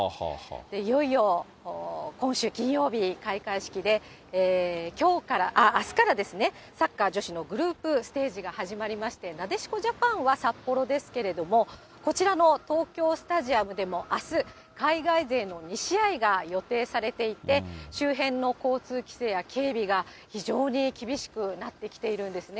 いよいよ今週金曜日、開会式で、あすからサッカー女子のグループステージが始まりまして、なでしこジャパンは札幌ですけれども、こちらの東京スタジアムでも、あす、海外勢の２試合が予定されていて、周辺の交通規制や警備が非常に厳しくなってきているんですね。